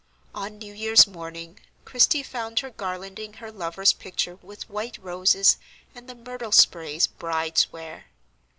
On New Year's morning, Christie found her garlanding her lover's picture with white roses and the myrtle sprays brides wear.